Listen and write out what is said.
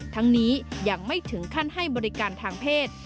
ทั้งนี้ยังไม่ถึงขั้นให้บริการทางเพศ